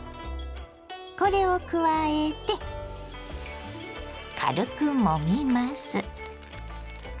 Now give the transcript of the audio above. これを加えて軽くもみます。